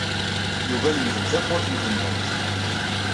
Yuba yemdel tawwurt n tenwalt.